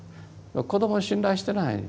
子どもを信頼してない。